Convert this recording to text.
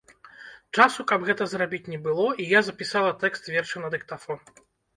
Часу, каб гэта зрабіць, не было, і я запісала тэкст верша на дыктафон.